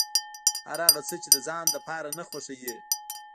هر هغه څه چې د ځان لپاره نه خوښوې.